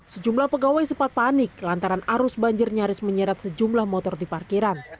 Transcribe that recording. sejumlah pegawai sempat panik lantaran arus banjir nyaris menyeret sejumlah motor di parkiran